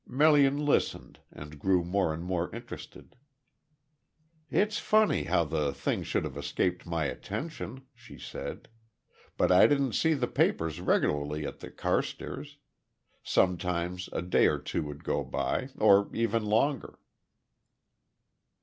Melian listened, and grew more and more interested. "It's funny how the thing should have escaped my attention," she said. "But I didn't see the papers regularly at the Carstairs'. Sometimes a day or two would go by or even longer."